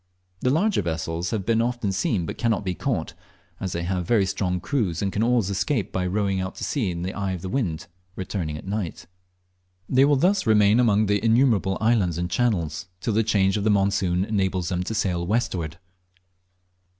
The larger vessels have been often seen but cannot be caught, as they have very strong crews, and can always escape by rowing out to sea in the eye of the wind, returning at night. They will thus remain among the innumerable islands and channels, till the change of the monsoon enables them to sail westward.